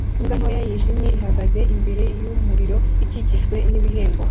imbwa ntoya yijimye ihagaze imbere yumuriro ukikijwe nibihembo